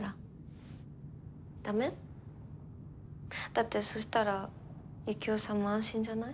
だってそしたらユキオさんも安心じゃない？